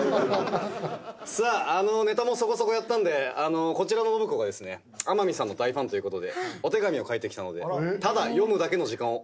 さあネタもそこそこやったんでこちらの信子がですね天海さんの大ファンということでお手紙を書いてきたのでただ読むだけの時間をお送りしたいと思います。